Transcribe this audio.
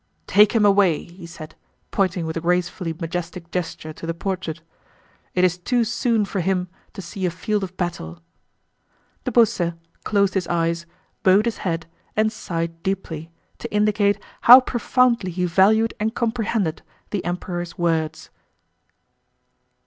"Take him away!" he said, pointing with a gracefully majestic gesture to the portrait. "It is too soon for him to see a field of battle." De Beausset closed his eyes, bowed his head, and sighed deeply, to indicate how profoundly he valued and comprehended the Emperor's words.